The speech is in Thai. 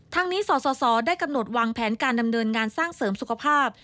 ทั้งนี้สสได้กำหนดวางแผนการดำเนินงานสร้างเสริมสุขภาพ